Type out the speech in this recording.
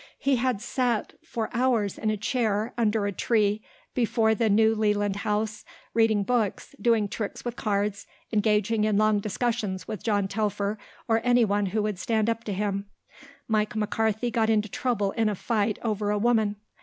He had sat for hours in a chair under a tree before the New Leland House, reading books, doing tricks with cards, engaging in long discussions with John Telfer or any who would stand up to him. Mike McCarthy got into trouble in a fight over a woman.